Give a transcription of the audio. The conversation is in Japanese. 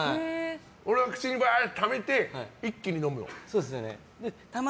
俺は口にバーってためて一気に飲む。